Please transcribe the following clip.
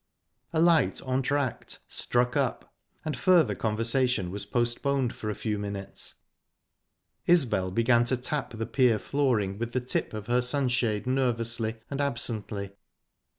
A light entr'acte struck up, and further conversation was postponed for a few minutes. Isbel began to tap the pier flooring with the tip of her sunshade nervously and absently.